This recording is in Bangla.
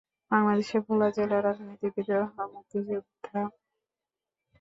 বাংলাদেশের ভোলা জেলার রাজনীতিবিদ ও মুক্তিযোদ্ধা।